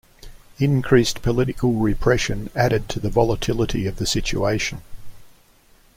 Increased political repression added to the volatility of the situation.